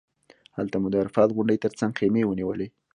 هلته مو د عرفات غونډۍ تر څنګ خیمې ونیولې.